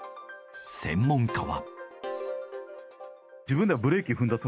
専門家は。